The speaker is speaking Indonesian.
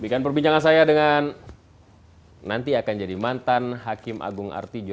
demikian perbincangan saya dengan nanti akan jadi mantan hakim agung artijo